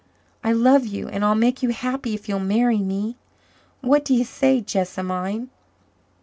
I love you and I'll make you happy if you'll marry me. What do you say, Jessamine?"